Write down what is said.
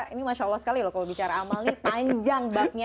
ini masya allah sekali loh kalau bicara amal ini panjang baknya